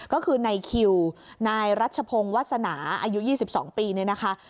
ก็คือนายคิวนายรัชพงศ์วาสนาอายุ๒๒ปีเนี่ยนะคะ